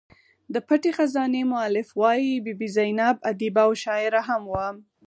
د پټې خزانې مولف وايي بي بي زینب ادیبه او شاعره هم وه.